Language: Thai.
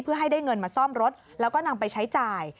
เพื่อให้ได้เงินมาซ่อมรถแล้วก็นำไปใช้จ่าย